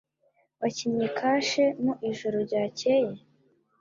Wakinnye kashe mu ijoro ryakeye?